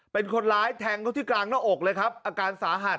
เป็นคนร้ายแทงเขาที่กลางหน้าอกเลยครับอาการสาหัส